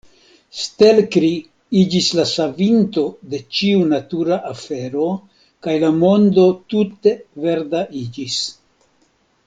Stelkri iĝis la savinto de ĉiu natura afero, kaj la mondo tute verda iĝis.